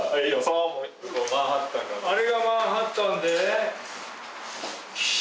あれがマンハッタンで。